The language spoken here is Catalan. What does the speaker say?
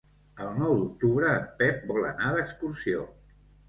El nou d'octubre en Pep vol anar d'excursió.